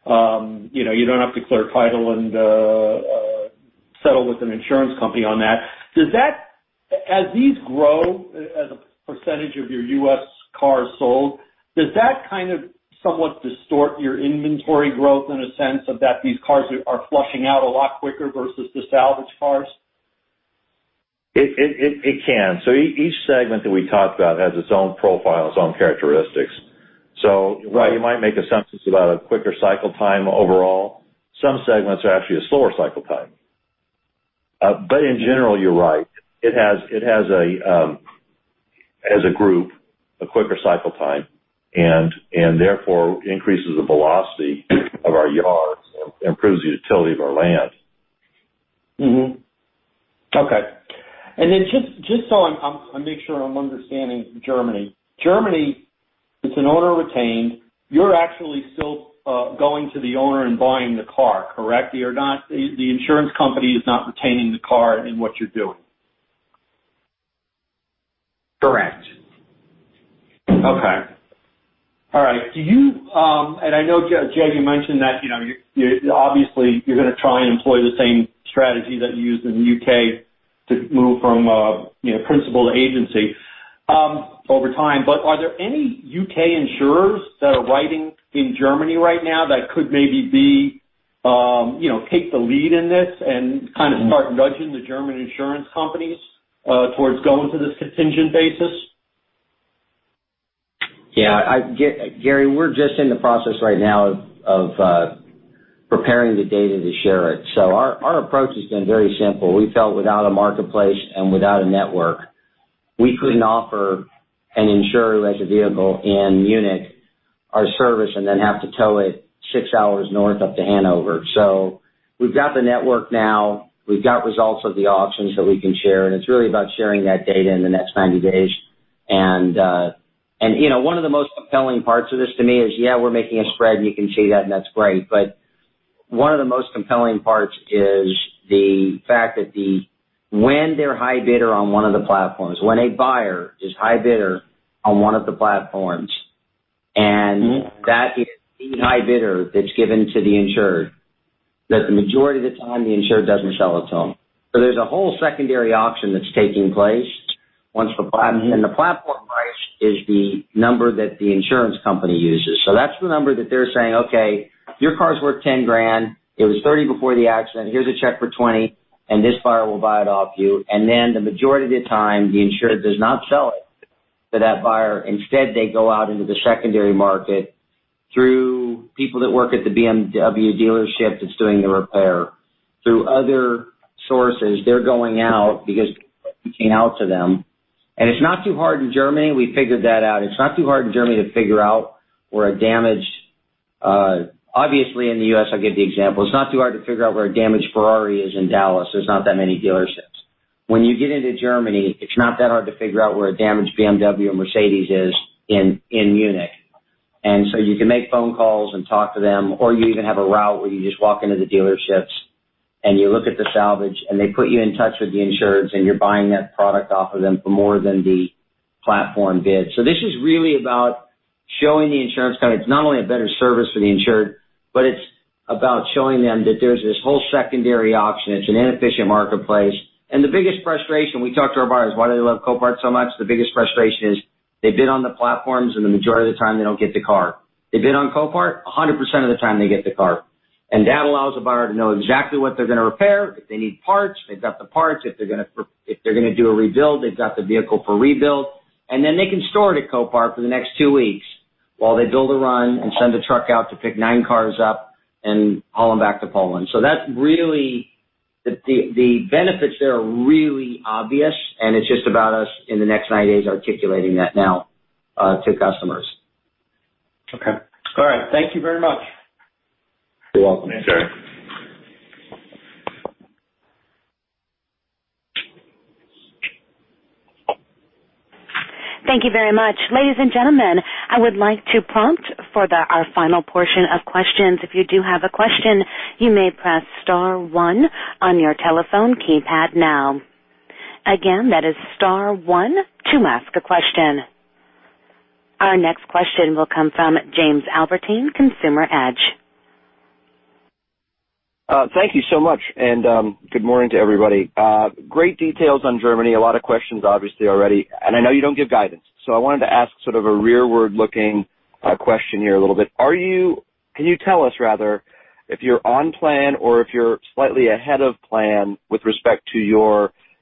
You don't have to clear title and settle with an insurance company on that. As these grow as a percentage of your U.S. cars sold, does that kind of somewhat distort your inventory growth in a sense of that these cars are flushing out a lot quicker versus the salvage cars? It can. Each segment that we talked about has its own profile, its own characteristics. While you might make assumptions about a quicker cycle time overall, some segments are actually a slower cycle time. In general, you're right. It has, as a group, a quicker cycle time and therefore increases the velocity of our yards and improves the utility of our land. Okay. Then just so I make sure I'm understanding Germany. Germany, it's an owner retained. You're actually still going to the owner and buying the car, correct? The insurance company is not retaining the car in what you're doing. Correct. Okay. All right. I know, Jay, you mentioned that obviously you're going to try and employ the same strategy that you used in the U.K. to move from principal to agency over time. Are there any U.K. insurers that are writing in Germany right now that could maybe take the lead in this and kind of start nudging the German insurance companies towards going to this contingent basis? Yeah. Gary, we're just in the process right now of preparing the data to share it. Our approach has been very simple. We felt without a marketplace and without a network, we couldn't offer an insurer who has a vehicle in Munich our service and then have to tow it six hours north up to Hanover. We've got the network now, we've got results of the auctions that we can share, and it's really about sharing that data in the next 90 days. One of the most compelling parts of this to me is, yeah, we're making a spread and you can see that, and that's great, one of the most compelling parts is the fact that when they're high bidder on one of the platforms, when a buyer is high bidder on one of the platforms, that is the high bidder that's given to the insured, that the majority of the time the insured doesn't sell it to them. There's a whole secondary auction that's taking place once the platform. The platform price is the number that the insurance company uses. That's the number that they're saying, "Okay, your car's worth $10,000. It was $30,000 before the accident. Here's a check for 20, and this buyer will buy it off you." The majority of the time, the insured does not sell it to that buyer. Instead, they go out into the secondary market. Through people that work at the BMW dealership that's doing the repair, through other sources, they're going out because it came out to them. It's not too hard in Germany, we figured that out. It's not too hard in Germany to figure out where a damaged. Obviously, in the U.S., I'll give the example, it's not too hard to figure out where a damaged Ferrari is in Dallas. There's not that many dealerships. When you get into Germany, it's not that hard to figure out where a damaged BMW or Mercedes is in Munich. You can make phone calls and talk to them, or you even have a route where you just walk into the dealerships, and you look at the salvage, and they put you in touch with the insurance, and you're buying that product off of them for more than the platform bid. This is really about showing the insurance company it's not only a better service for the insured, but it's about showing them that there's this whole secondary auction. It's an inefficient marketplace. The biggest frustration, we talk to our buyers, why do they love Copart so much? The biggest frustration is they bid on the platforms, and the majority of the time they don't get the car. They bid on Copart, a 100% of the time they get the car. That allows a buyer to know exactly what they're going to repair. If they need parts, they've got the parts. If they're going to do a rebuild, they've got the vehicle for rebuild. They can store it at Copart for the next two weeks while they build a run and send a truck out to pick nine cars up and haul them back to Poland. The benefits there are really obvious, and it's just about us, in the next 90 days, articulating that now to customers. Okay. All right. Thank you very much. You're welcome. Thanks. Thank you very much. Ladies and gentlemen, I would like to prompt for our final portion of questions. If you do have a question, you may press star one on your telephone keypad now. Again, that is star one to ask a question. Our next question will come from Jamie Albertine, Consumer Edge. Thank you so much. Good morning to everybody. Great details on Germany. A lot of questions, obviously, already. I know you don't give guidance, so I wanted to ask sort of a rearward-looking question here a little bit. Can you tell us, rather, if you're on plan or if you're slightly ahead of plan with respect to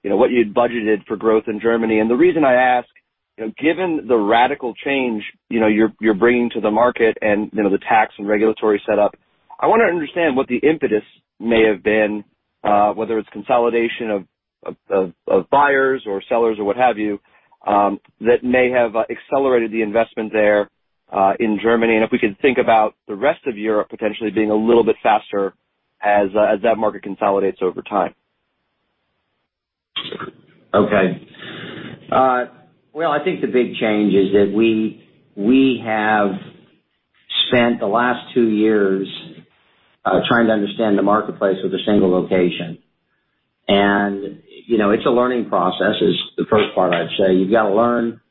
what you'd budgeted for growth in Germany? The reason I ask, given the radical change you're bringing to the market and the tax and regulatory setup, I want to understand what the impetus may have been, whether it's consolidation of buyers or sellers or what have you, that may have accelerated the investment there in Germany. If we could think about the rest of Europe potentially being a little bit faster as that market consolidates over time. Okay. Well, I think the big change is that we have spent the last two years trying to understand the marketplace with a single location. It's a learning process, is the first part I'd say. You've got to learn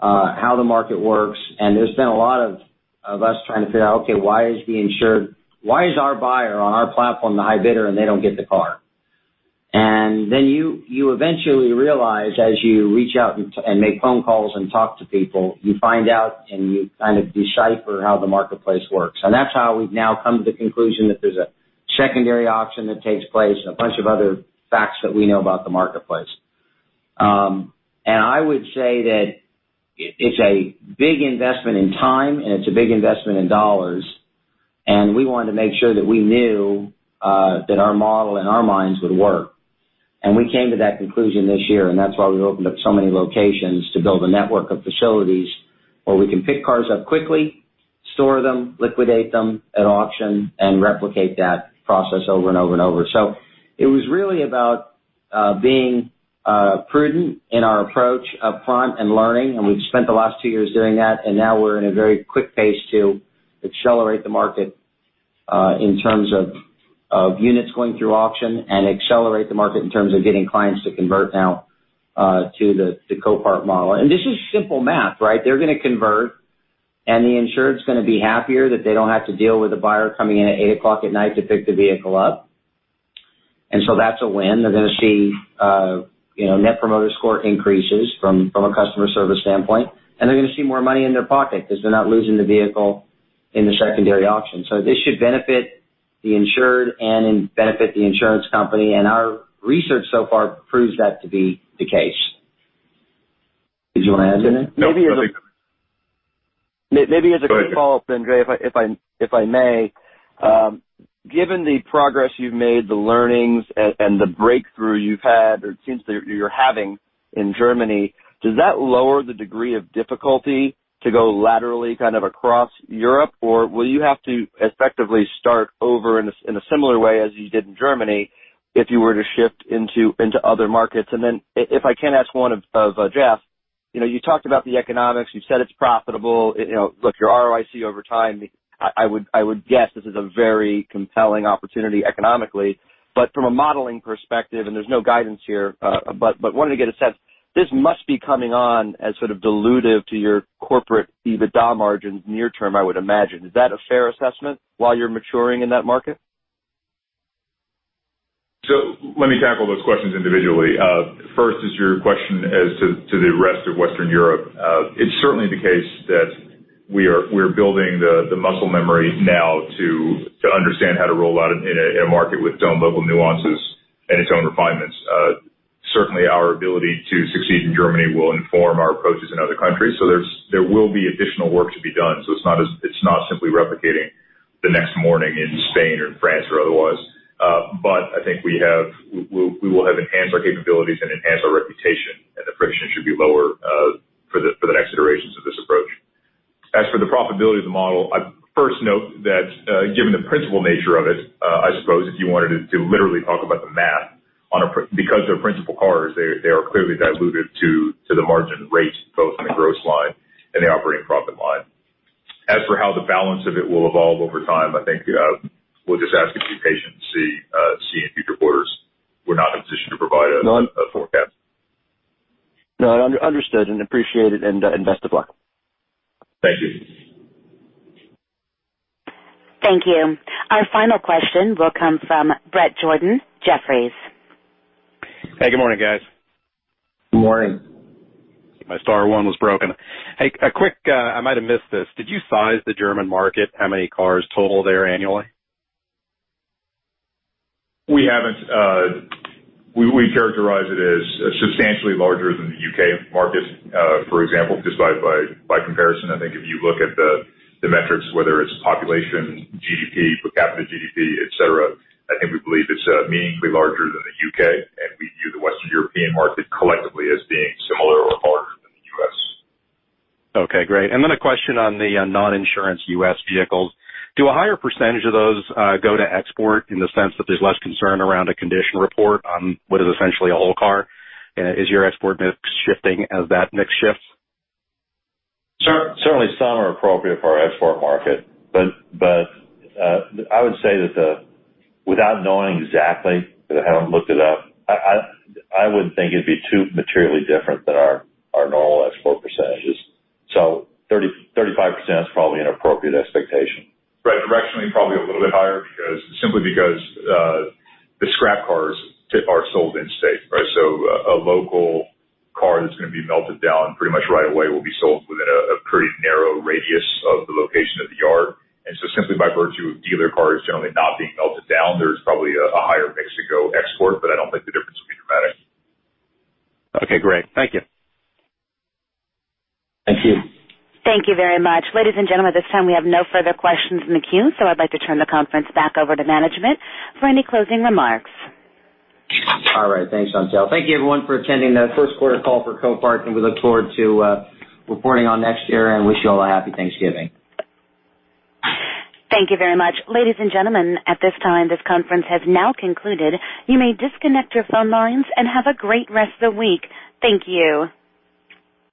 how the market works, and there's been a lot of us trying to figure out, okay, why is our buyer on our platform the high bidder, and they don't get the car? Then you eventually realize, as you reach out and make phone calls and talk to people, you find out and you kind of decipher how the marketplace works. That's how we've now come to the conclusion that there's a secondary auction that takes place and a bunch of other facts that we know about the marketplace. I would say that it's a big investment in time, and it's a big investment in dollars, and we wanted to make sure that we knew that our model in our minds would work. We came to that conclusion this year, and that's why we opened up so many locations to build a network of facilities where we can pick cars up quickly, store them, liquidate them at auction, and replicate that process over and over and over. It was really about being prudent in our approach upfront and learning, and we've spent the last two years doing that, and now we're in a very quick pace to accelerate the market in terms of units going through auction and accelerate the market in terms of getting clients to convert now to the Copart model. This is simple math, right? They're going to convert, and the insured's going to be happier that they don't have to deal with a buyer coming in at 8:00 at night to pick the vehicle up. That's a win. They're going to see net promoter score increases from a customer service standpoint. They're going to see more money in their pocket because they're not losing the vehicle in the secondary auction. This should benefit the insured and benefit the insurance company. Our research so far proves that to be the case. Did you want to add to that? Maybe as a quick follow-up then, Jay, if I may. Given the progress you've made, the learnings, and the breakthrough you've had, or it seems that you're having in Germany, does that lower the degree of difficulty to go laterally kind of across Europe or will you have to effectively start over in a similar way as you did in Germany if you were to shift into other markets? Then if I can ask one of Jeff, you talked about the economics. You said it's profitable. Look, your ROIC over time, I would guess this is a very compelling opportunity economically. From a modeling perspective, and there's no guidance here, but wanted to get a sense, this must be coming on as sort of dilutive to your corporate EBITDA margins near term, I would imagine. Is that a fair assessment while you're maturing in that market? Let me tackle those questions individually. First is your question as to the rest of Western Europe. It's certainly the case that we're building the muscle memory now to understand how to roll out in a market with its own level of nuances and its own refinements. Certainly our ability to succeed in Germany will inform our approaches in other countries. There will be additional work to be done. It's not simply replicating the next morning in Spain or in France or otherwise. I think we will have enhanced our capabilities and enhanced our reputation, and the friction should be lower for the next iterations of this approach. As for the profitability of the model, I first note that given the principal nature of it, I suppose if you wanted to literally talk about the math, because they're principal cars, they are clearly diluted to the margin rates, both on the gross line and the operating profit line. As for how the balance of it will evolve over time, I think we'll just ask you to be patient to see in future quarters. We're not in a position to provide a forecast. No, understood and appreciated. Best of luck. Thank you. Thank you. Our final question will come from Bret Jordan, Jefferies. Hey, good morning, guys. Good morning. My star one was broken. Hey, I might have missed this. Did you size the German market? How many cars total there annually? We haven't. We characterize it as substantially larger than the U.K. market, for example, just by comparison. I think if you look at the metrics, whether it's population, GDP, per capita GDP, etc., I think we believe it's meaningfully larger than the U.K., and we view the Western European market collectively as being similar or larger than the U.S. Okay, great. A question on the non-insurance U.S. vehicles. Do a higher percentage of those go to export in the sense that there's less concern around a condition report on what is essentially a whole car? Is your export mix shifting as that mix shifts? Certainly some are appropriate for our export market. I would say that without knowing exactly, because I haven't looked it up, I wouldn't think it'd be too materially different than our normal export %. 35% is probably an appropriate expectation. Right. Directionally probably a little bit higher simply because the scrap cars are sold in state, right? A local car that's going to be melted down pretty much right away will be sold within a pretty narrow radius of the location of the yard. Simply by virtue of dealer cars generally not being melted down, there's probably a higher mix to go export, I don't think the difference will be dramatic. Okay, great. Thank you. Thank you. Thank you very much. Ladies and gentlemen, at this time, we have no further questions in the queue, so I'd like to turn the conference back over to management for any closing remarks. All right. Thanks, Chantelle. Thank you everyone for attending the first quarter call for Copart, and we look forward to reporting on next year and wish you all a Happy Thanksgiving. Thank you very much. Ladies and gentlemen, at this time, this conference has now concluded. You may disconnect your phone lines and have a great rest of the week. Thank you.